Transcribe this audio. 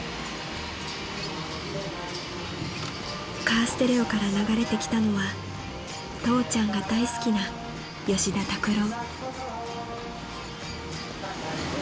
［カーステレオから流れてきたのは父ちゃんが大好きな吉田拓郎］